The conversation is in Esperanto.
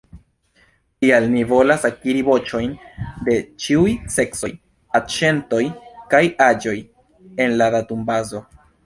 Tial ni volas akiri voĉojn de ĉiuj seksoj, akĉentoj kaj aĝoj en la datumbazo.